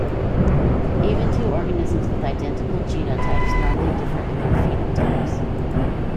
Even two organisms with identical genotypes normally differ in their phenotypes.